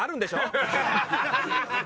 アハハハ！